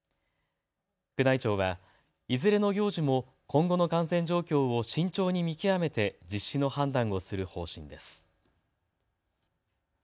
宮内庁はいずれの行事も今後の感染状況を慎重に見極めて実施の判断をする方針です。